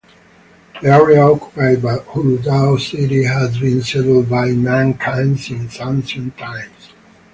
The area occupied by Huludao city has been settled by mankind since ancient times.